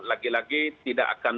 lagi lagi tidak akan